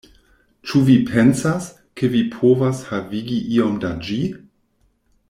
Ĉu vi pensas, ke vi povas havigi iom da ĝi?